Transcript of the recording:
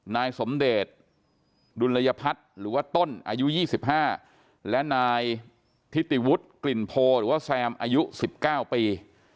นายสมเดชดุลยพัฒน์หรือว่าต้นอายุ๒๕และนายทิติวุฒิกลิ่นโพหรือว่าแซมอายุ๑๙ปี